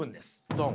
ドン。